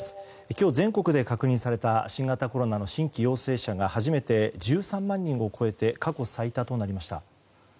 今日全国で確認された新型コロナの新規陽性者が初めて１３万人を超えて過去最多となりました。